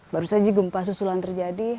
baru saja gempa susulan terjadi